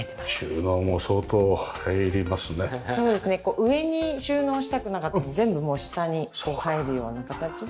上に収納したくなかったので全部もう下に入るような形で。